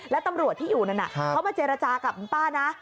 แล้วตำรวจที่อยู่นั่นเขามาเจรจากับคุณป้านะ